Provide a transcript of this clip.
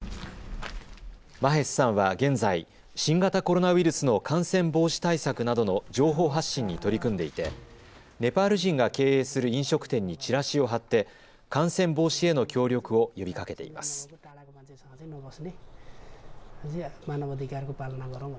マヘスさんは現在、新型コロナウイルスの感染防止対策などの情報発信に取り組んでいてネパール人が経営する飲食店にチラシを貼って感染防止への協力を呼びかけています。